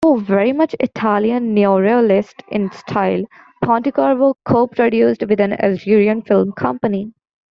Though very much Italian neorealist in style, Pontecorvo co-produced with an Algerian film company.